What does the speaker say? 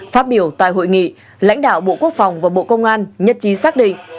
phát biểu tại hội nghị lãnh đạo bộ quốc phòng và bộ công an nhất trí xác định